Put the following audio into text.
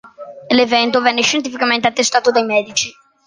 L'evento venne scientificamente attestato dai medici.